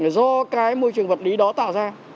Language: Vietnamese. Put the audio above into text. do cái môi trường vật lý đó tạo ra